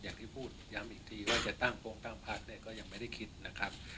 อย่างที่พูดย้ำอีกทีว่าจะตั้งโปรงตั้งพักเนี่ยก็ยังไม่ได้คิดนะครับ